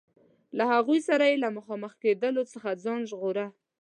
له هغوی سره یې له مخامخ کېدلو څخه ځان ژغوره.